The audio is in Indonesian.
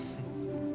selamat tinggal mas